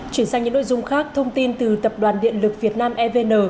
chuyển sang những nội dung khác thông tin từ tập đoàn điện lực việt nam evn